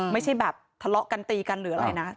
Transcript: ไม่ใช่แบบทะเลาะกันตีกันหรืออะไรนะ